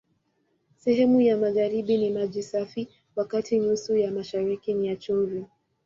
Sehemu ya magharibi ni maji safi, wakati nusu ya mashariki ni ya chumvi.